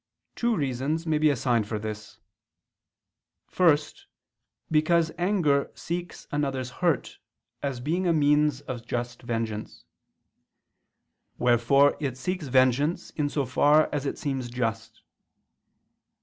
Two reasons may be assigned for this. First, because anger seeks another's hurt as being a means of just vengeance: wherefore it seeks vengeance in so far as it seems just.